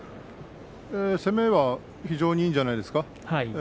攻めは非常にいいんじゃないですか。